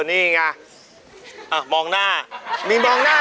หนุ่มหนุ่มมันกระชุ่มกระช่วย